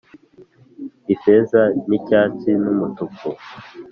ifeza n'icyatsi n'umutuku